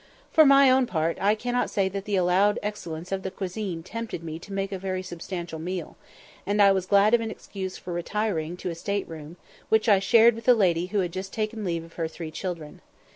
For my own part, I cannot say that the allowed excellence of the cuisine tempted me to make a very substantial meal, and I was glad of an excuse for retiring to a state room, which I shared with a lady who had just taken leave of her three children.